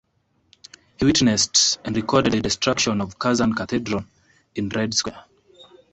He witnessed and recorded the destruction of Kazan Cathedral in Red Square.